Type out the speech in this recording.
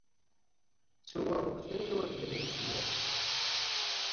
Ttewten, ur bnin fell-as.